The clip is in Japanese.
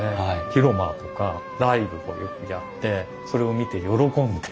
広間とかライブをよくやってそれを見て喜んで。